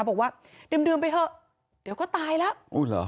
บอกว่าดื่มไปเถอะเดี๋ยวก็ตายแล้ว